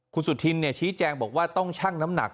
คุณสุธินชี้แจงบอกว่าต้องชั่งน้ำหนัก